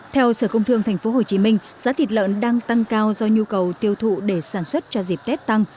theo sở công thương tp hcm giá thịt lợn đang tăng cao do nhu cầu tiêu thụ để sản xuất cho dịp tết tăng